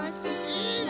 いいね。